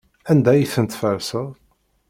Anda ay ten-tferseḍ?